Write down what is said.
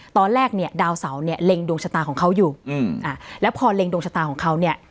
ตอนแรกเนี่ยดาวเสาเนี่ยเล็งดวงชะตาของเขาอยู่อืมอ่าแล้วพอเล็งดวงชะตาของเขาเนี่ย